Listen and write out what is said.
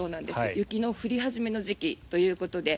雪の降り始めの時期ということで。